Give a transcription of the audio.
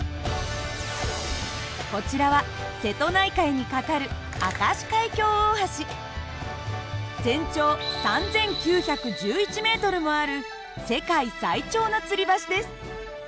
こちらは瀬戸内海に架かる全長３，９１１ｍもある世界最長のつり橋です。